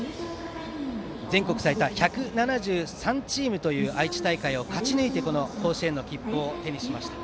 全国最多１７３チームという愛知大会を勝ち抜いて甲子園の切符を手にしました。